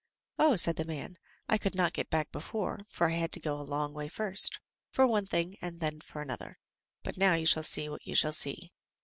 "Oh!" said the man, "I could not get back before, for I had to go a long way first for one thing and then for another; but now you shall see what you shall see."